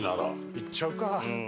行っちゃうか。